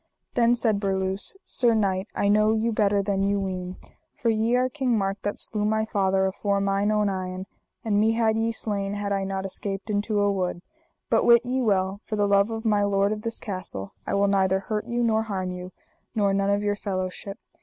Then said Berluse: Sir knight, I know you better than you ween, for ye are King Mark that slew my father afore mine own eyen; and me had ye slain had I not escaped into a wood; but wit ye well, for the love of my lord of this castle I will neither hurt you nor harm you, nor none of your fellowship.